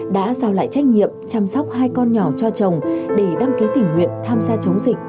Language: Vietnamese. đã giao lại trách nhiệm chăm sóc hai con nhỏ cho chồng để đăng ký tình nguyện tham gia chống dịch